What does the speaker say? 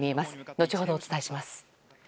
後ほど、お伝えします。